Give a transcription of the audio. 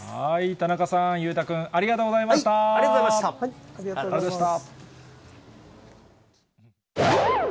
田中さん、裕太君、ありがとありがとうございました。